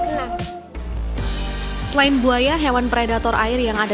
selain buaya hewan predator air yang ada di tempat ini juga bisa dikenalkan dengan peta raksasa penyebaran buaya